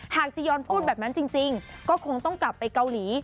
จียอนพูดแบบนั้นจริงก็คงต้องกลับไปเกาหลี